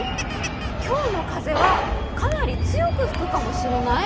今日の風はかなり強く吹くかもしれない？